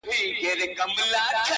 همېشه ورسره تلله په ښكارونو٫